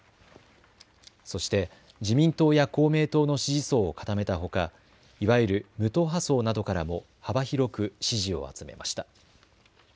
そして自民党や公明党の支持層を固めたほかいわゆる無党派層などからも幅広く支持を集めました。